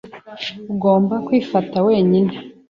Ugomba kwifata wenyine.